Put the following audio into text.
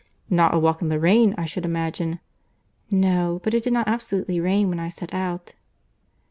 "Not a walk in the rain, I should imagine." "No, but it did not absolutely rain when I set out."